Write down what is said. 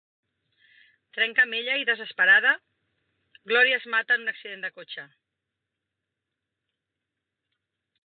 Trenca amb ella i desesperada, Glòria es mata en un accident de cotxe.